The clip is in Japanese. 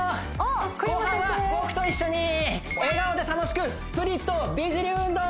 後半は僕と一緒に笑顔で楽しくプリッと美尻運動